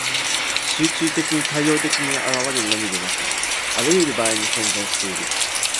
集中的に大量的に現れるのみでなく、あらゆる場合に存在している。